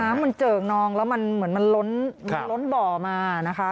น้ำมันเจอกนองแล้วเหมือนมันล้นบ่อมานะคะ